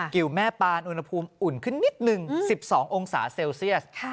เกี่ยวแม่ปานอุณหภูมิอุ่นขึ้นนิดนึง๑๒องศาเซลเซียส